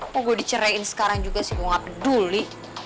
kok gue diceraiin sekarang juga sih gue gak peduli